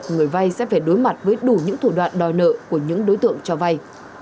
người vay sẽ phải đối mặt với đủ những thủ đoạn đòi nợ của những đối tượng cho vay